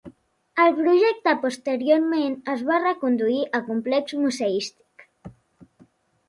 El projecte posteriorment es va reconduir a complex museístic.